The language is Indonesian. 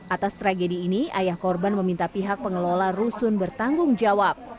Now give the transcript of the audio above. atas tragedi ini ayah korban meminta pihak pengelola rusun bertanggung jawab